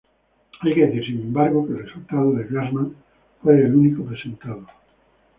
Hay que decir sin embargo que el resultado de Grassmann fue el único presentado.